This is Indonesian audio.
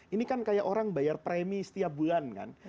ini kan kayak orang bayar premi setiap bulan kan